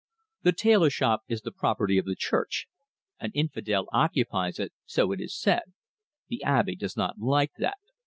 The tailor shop is the property of the Church. An infidel occupies it, so it is said; the Abbe does not like that.